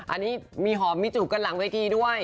อันนี้มีหอมมีจูบกันหลังเวทีด้วย